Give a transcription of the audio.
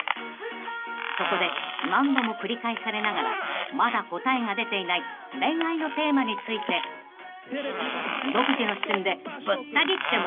［そこで何度も繰り返されながらまだ答えが出ていない恋愛のテーマについて独自の視点でぶった切ってもらいました］